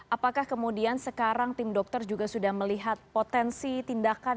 apakah kemudian sekarang tim dokter juga sudah melihat potensi tindakan